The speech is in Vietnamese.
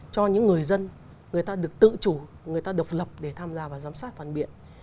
cho những người dân người ta được tự chủ người ta độc lập để tham gia và giám sát phản biện